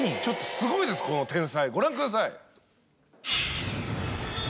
すごいですこの天才ご覧ください！